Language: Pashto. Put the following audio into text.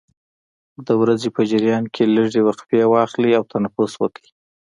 د ورځې په جریان کې لږې وقفې واخلئ او تنفس وکړئ.